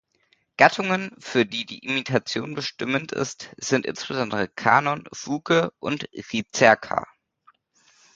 Gattungen, für die die Imitation bestimmend ist, sind insbesondere Kanon, Fuge und Ricercar.